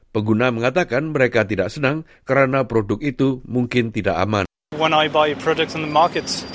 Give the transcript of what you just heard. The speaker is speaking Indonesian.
pengguna mengatakan mereka tidak senang karena produk itu mungkir